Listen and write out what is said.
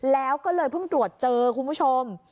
แล้วก็เลยเพิ่งตรวจเจอคุณผู้ชม